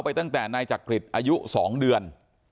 ตั้งแต่นายจักริตอายุ๒เดือน